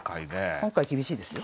今回厳しいですよ。